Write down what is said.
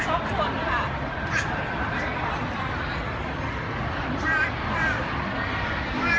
ลาต่อลาก้า